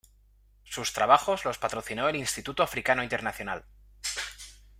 Sus trabajos los patrocinó el Instituto africano Internacional.